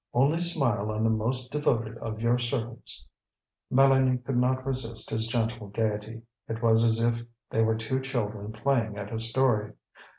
Only smile on the most devoted of your servants." Mélanie could not resist his gentle gaiety. It was as if they were two children playing at a story.